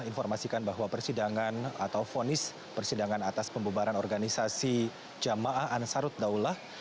informasikan bahwa persidangan atau fonis persidangan atas pembubaran organisasi jamaah ansarut daulah